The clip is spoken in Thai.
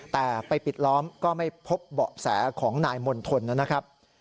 แต่ไปปิดล้อมก็ไม่พบเบาะแสของนายมณฑลนะครับ